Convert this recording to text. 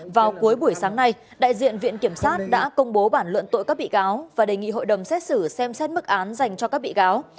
vào cuối buổi sáng nay đại diện viện kiểm sát đã công bố bản luận tội các bị cáo và đề nghị hội đồng xét xử xem xét mức án dành cho các bị cáo